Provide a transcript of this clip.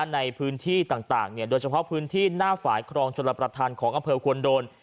ในพื้นที่ต่างโดยเฉพาะพื้นที่หน้าฝ่ายครองชลประธานของอำเภอควรโดน